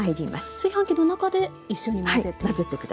炊飯器の中で一緒に混ぜていく。